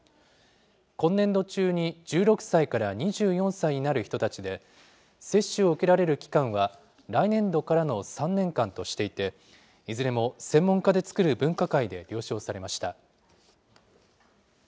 今年度中に１６歳から２４歳になる人たちで、接種を受けられる期間は来年度からの３年間としていて、いずれも専門家で作る分科会で了承されました。